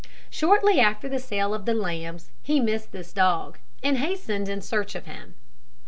Shortly after the sale of the lambs he missed this dog, and hastened in search of him.